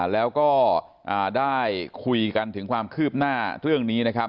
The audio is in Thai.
แล้วก็ได้คุยกันถึงความคืบหน้าเรื่องนี้นะครับ